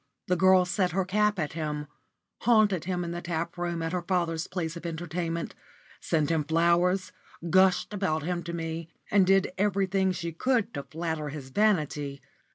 The girl set her cap at him, haunted him in the tap room at her father's place of entertainment, sent him flowers, gushed about him to me, and did everything she could to flatter his vanity.